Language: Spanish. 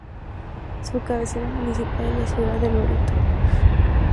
Su cabecera municipal es la ciudad de Loreto.